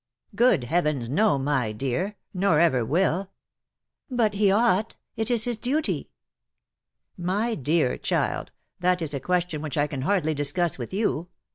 " Good heavens, no, my dear— nor ever will." " But he ought — it is his duty." " My dear child, that is a question which I can hardly discuss with you.